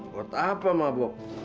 buat apa mabuk